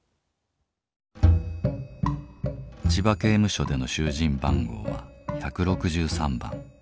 千葉刑務所での囚人番号は１６３番。